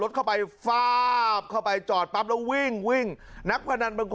เจ้าหน้าที่ขับรถเฉลี่ยก็เข้าไปฟ้าาาาาาบ